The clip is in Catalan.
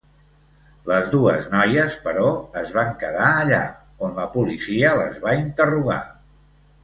Les dues noies, però, es van quedar allà, on la policia les va interrogar.